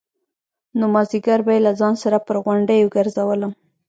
نو مازديگر به يې له ځان سره پر غونډيو گرځولم.